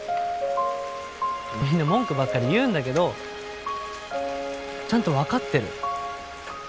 みんな文句ばっかり言うんだけどちゃんと分かってる。